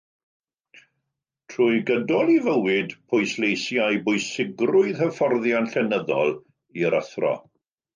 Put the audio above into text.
Trwy gydol ei fywyd, pwysleisiai bwysigrwydd hyfforddiant llenyddol i'r athro.